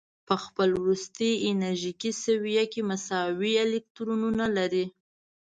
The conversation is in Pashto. په خپل وروستي انرژیکي سویه کې مساوي الکترونونه لري.